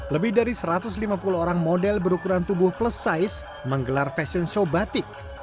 lebih dari satu ratus lima puluh orang model berukuran tubuh plus size menggelar fashion show batik